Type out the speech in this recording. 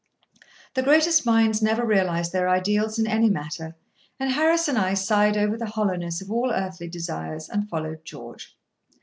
The greatest minds never realise their ideals in any matter; and Harris and I sighed over the hollowness of all earthly desires, and followed George.